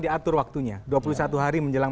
diatur waktunya dua puluh satu hari menjelang